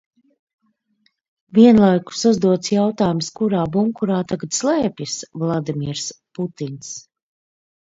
Vienlaikus uzdots jautājums, kurā bunkurā tagad slēpjas Vladimirs Putins.